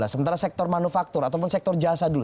sementara sektor manufaktur ataupun sektor jasa dulu